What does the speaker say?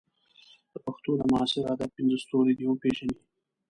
د پښتو د معاصر ادب پنځه ستوري دې وپېژني.